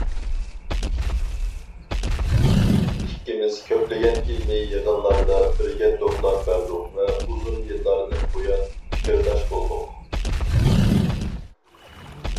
ئىككىمىز كۆپلىگەن ئىلمىي يىغىنلاردا بىرگە دوكلات بەردۇق ۋە ئۇزۇن يىللاردىن بۇيان پىكىرداش بولدۇق.